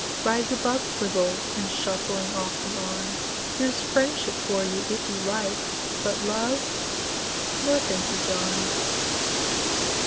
Rise above Quibbles and shuffling off and on: Here's friendship for you if you like; but love, No, thank you, John.